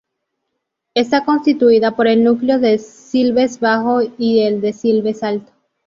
Está constituida por el núcleo de Silves Bajo y el de Silves Alto.